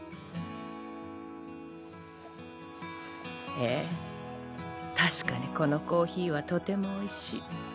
ええ確かにこのコーヒーはとてもおいしい。